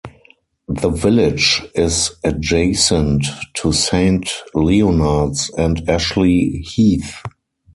The village is adjacent to Saint Leonards and Ashley Heath.